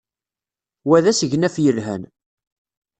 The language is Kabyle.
Wa d asegnaf yelhan.